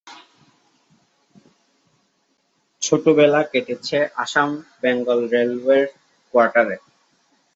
ছোটবেলা কেটেছে আসাম-বেঙ্গল রেলওয়ের কোয়ার্টারে।